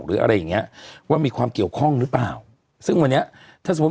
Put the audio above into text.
หรืออะไรอย่างเงี้ยว่ามีความเกี่ยวข้องหรือเปล่าซึ่งวันนี้ถ้าสมมุติ